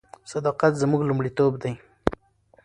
صداقت زموږ لومړیتوب دی.